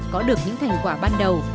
có được những thành quả ban đầu